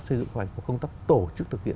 xây dựng hoạch công tác tổ chức thực hiện